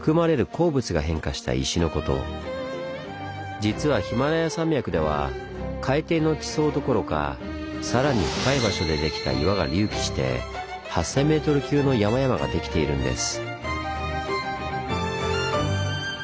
実はヒマラヤ山脈では海底の地層どころかさらに深い場所でできた岩が隆起して８，０００ｍ級の山々ができているんです。